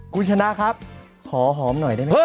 คุณชนะครับขอหอมหน่อยได้ไหมครับ